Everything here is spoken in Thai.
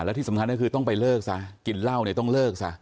แล้วที่สำคัญก็คือต้องไปเลิกซะกินเหล้าเนี่ยต้องเลิกซะ